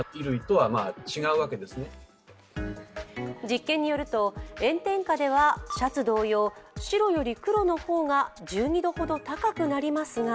実験によると、炎天下ではシャツ同様白より黒の方が１２度ほど高くなりますが